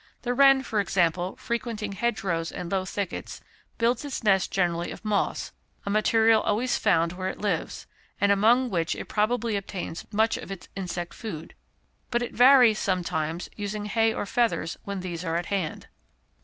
The wren, for example, frequenting hedgerows and low thickets, builds its nest generally of moss, a material always found where it lives, and among which it probably obtains much of its insect food; but it varies sometimes, using hay or feathers when these are at hand.